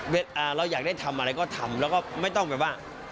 เราอยากได้ทำอะไรก็ทำแล้วก็ไม่ต้องแบบว่า